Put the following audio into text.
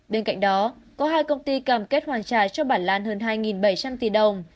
bên cạnh đó có hai công ty cảm kết hoàn trải cho bản lan hơn hai bảy trăm linh tỷ đồng